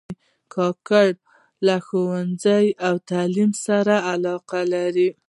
کاکړي له ښوونځي او تعلیم سره علاقه لري.